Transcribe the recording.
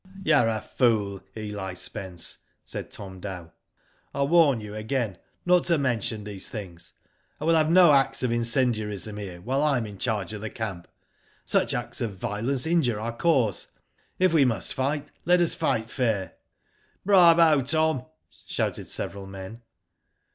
." You're a fool, Eli Spence," said Tom Dow^ '* I warn you again not to mention these things. I will have no acts of incendiarism here, while I am in charge of the camp. Such acts of violence injure our cause. If we must fight, let us fight fair.'.' " Bravo Tom !" shouted several men.